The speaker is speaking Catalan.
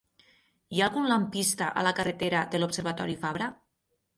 Hi ha algun lampista a la carretera de l'Observatori Fabra?